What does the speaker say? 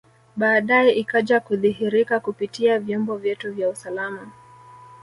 Baadae ikaja kudhihirika kupitia vyombo vyetu vya usalama